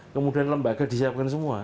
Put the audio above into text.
kemudian lembaga disiapkan semua